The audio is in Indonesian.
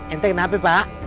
ente kenapa pak